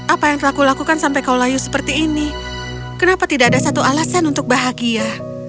apa yang telah kulakukan sampai kau layu seperti ini kenapa tidak ada satu alasan untuk bahagia